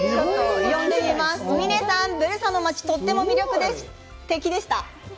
みねさん、ブルサの街、とっても魅力的でした。